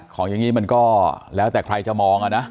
ของอย่างนี้มันก็แล้วแต่ใครจะมองอ่ะนะ